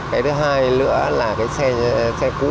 cái thứ hai nữa là cái xe cũ